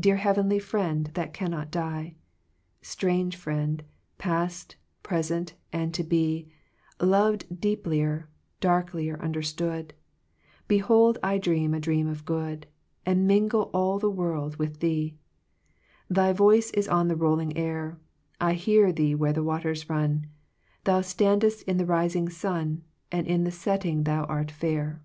Dear heavenly friend that canst not die ;Strange friend, past, present, and to be; Loved deeplier, darlclier understood; Behold I dream a dream of good, And mingle all the world with thea^ Thy voice is on the rolling air ; I hear thee where the waters run ; Thou sundest in the rising sun. And in the setting thou art fair.